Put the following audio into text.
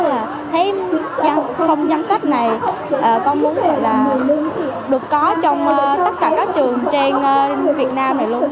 thấy không giám sách này con muốn được có trong tất cả các trường trên việt nam này luôn